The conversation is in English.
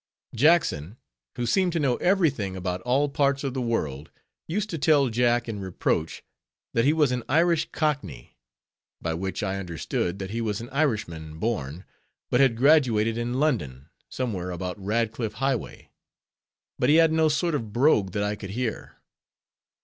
Jackson, who seemed to know every thing about all parts of the world, used to tell Jack in reproach, that he was an Irish Cockney. By which I understood, that he was an Irishman born, but had graduated in London, somewhere about Radcliffe Highway; but he had no sort of brogue that I could hear.